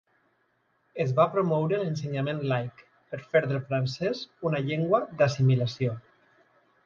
Es va promoure l'ensenyament laic, per fer del francès una llengua d'assimilació.